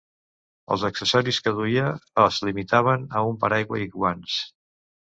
Els accessoris que duia es limitaven a un paraigua i guants.